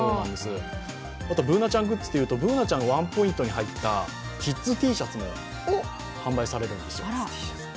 Ｂｏｏｎａちゃんとグッズというと、Ｂｏｏｎａちゃんがワンポイントに入ったキッズＴシャツも販売されるんですよ。